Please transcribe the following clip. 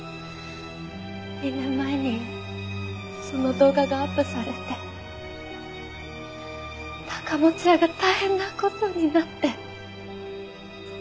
２年前にその動画がアップされて高持屋が大変な事になって。